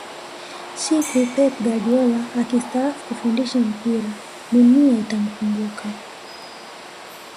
siku pep guardiola akistaafu kufundisha mpira dunia itamkumbuka